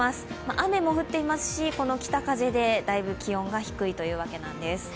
雨も降っていますし、この北風でだいぶ気温が低いというわけなんです。